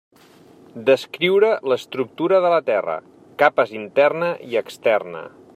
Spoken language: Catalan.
Descriure l'estructura de la Terra: capes interna i externa.